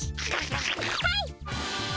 はい。